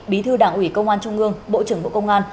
bí thư đảng ủy công an trung ương bộ trưởng bộ công an